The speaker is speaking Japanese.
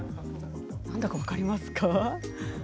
何だか、分かりますか。